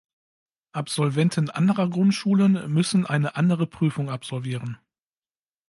Absolventen anderer Grundschulen müssen eine andere Prüfung absolvieren.